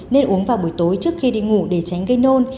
nên uống vào buổi tối trước khi đi ngủ để tránh gây nôn